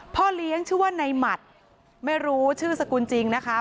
พ่อเลี้ยงชื่อว่าในหมัดไม่รู้ชื่อสกุลจริงนะคะ